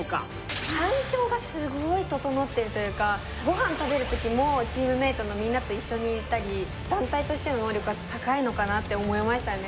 ごはん食べるときもチームメートのみんなと一緒にいたり団体としての能力は高いのかなって思いましたね。